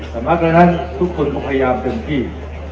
แต่มากออกดังนั้นทุกคนก็พยายามเกินที่